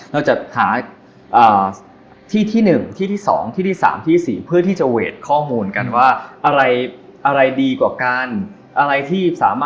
เราจะหาที่๑ที่๒ที่๓ที่๔เพื่อที่จะเวทข้อมูลกันว่าอะไรละ